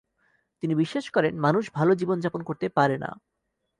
তিনি বিশ্বাস করেন, মানুষ ভালো জীবন যাপন করতে পারে না।